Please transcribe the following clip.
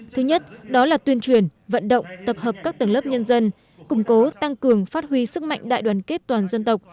thứ nhất đó là tuyên truyền vận động tập hợp các tầng lớp nhân dân củng cố tăng cường phát huy sức mạnh đại đoàn kết toàn dân tộc